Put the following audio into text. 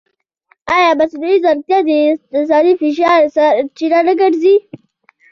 ایا مصنوعي ځیرکتیا د اقتصادي فشار سرچینه نه ګرځي؟